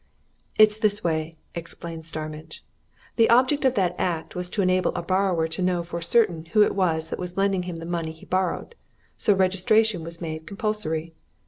"It's this way," explained Starmidge. "The object of that Act was to enable a borrower to know for certain who it was that was lending him the money he borrowed. So registration was made compulsory.